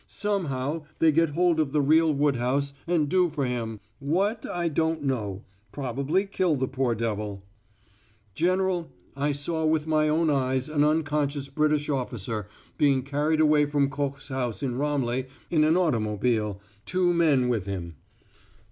Somehow they get hold of the real Woodhouse and do for him what I don't know probably kill the poor devil. "General, I saw with my own eyes an unconscious British officer being carried away from Koch's house in Ramleh in an automobile two men with him."